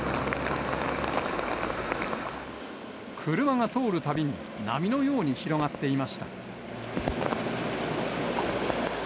車が通るたびに、波のように広がっていました。